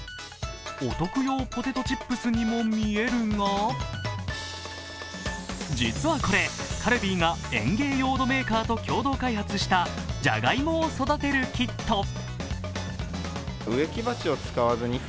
お徳用ポテトチップスにも見えるが実はこれ、カルビーが園芸用のメーカーと共同開発したじゃがいもを育てるキット。